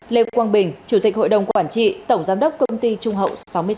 lê quang bình chủ tịch hội đồng quản trị tổng giám đốc công ty trung hậu sáu mươi tám